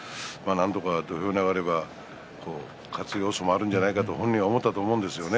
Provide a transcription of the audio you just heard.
なんとか土俵に上がれば勝つ要素もあるんじゃないかと本人思ったんじゃないですかね。